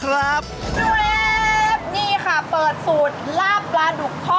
นี่ค่ะเปิดสูตรลาบปลาดุกทอด